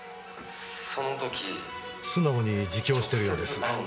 素直に自供しているようです。